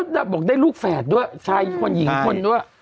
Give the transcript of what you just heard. ดำบอกได้ลูกแฝดด้วยชายคนหญิงคนด้วย